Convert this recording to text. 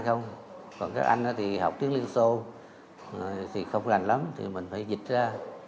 còn các anh thì học tiếng liên xô thì không rành lắm thì mình phải dịch ra